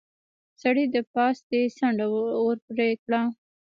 سړي د پاستي څنډه ور پرې کړه.